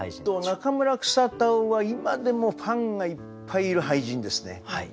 中村草田男は今でもファンがいっぱいいる俳人ですね。